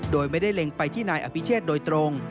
โดยไม่ได้เล็งไปที่นายอภิเชษโดยตรง